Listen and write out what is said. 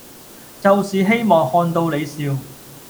就是希望看到你笑